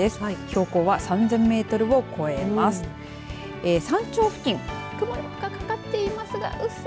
標高は３０００メートルを超えます。